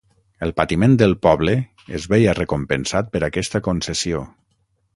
El patiment del poble es veia recompensat per aquesta concessió.